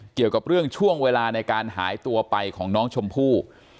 เกี่ยวกับเรื่องช่วงเวลาในการหายตัวไปของน้องชมพู่